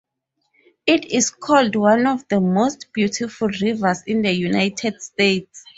It is called one of the most beautiful rivers in the United States.